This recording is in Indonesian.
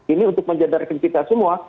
ini untuk menjadarkan kita semua